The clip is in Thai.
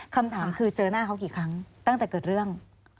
คำถามคือเจอหน้าเขากี่ครั้งตั้งแต่เกิดเรื่อง